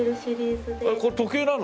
これ時計なの？